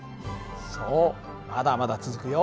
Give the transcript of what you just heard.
そうまだまだ続くよ。